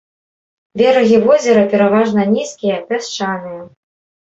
Берагі возера пераважна нізкія, пясчаныя.